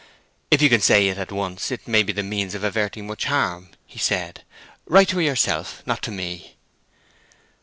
"If you can say it at once it may be the means of averting much harm," he said. "Write to herself; not to me."